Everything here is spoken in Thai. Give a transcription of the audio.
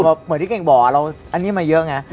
เหมือนที่เก่งบอกเราอันนี้มาเยอะไง